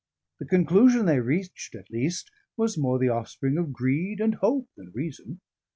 The conclusion they reached, at least, was more the offspring of greed and hope than reason.